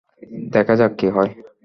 দেখা যাক, কি হয়!